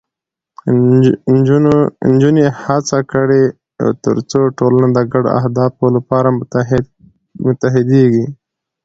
نجونې هڅه وکړي، ترڅو ټولنه د ګډو اهدافو لپاره متحدېږي.